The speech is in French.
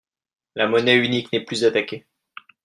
La monnaie unique n’est plus attaquée.